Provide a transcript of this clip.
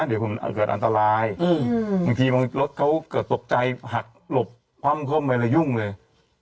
เดี๋ยวผมเกิดอันตรายบางทีบางรถเขาเกิดตกใจหักหลบคว่ำเข้าไปแล้วยุ่งเลย